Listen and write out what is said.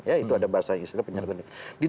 ya itu ada bahasa istri